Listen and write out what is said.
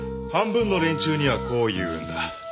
半分の連中にはこう言うんだ。